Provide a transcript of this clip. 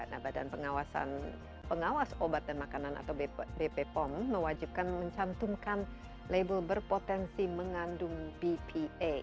nah badan pengawas obat dan makanan atau bp pom mewajibkan mencantumkan label berpotensi mengandung bpa